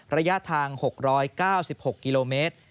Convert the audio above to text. ระยะทาง๖๙๖กิโลเมตร